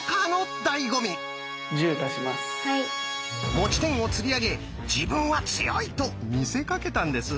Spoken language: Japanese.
持ち点をつり上げ「自分は強い！」と見せかけたんです。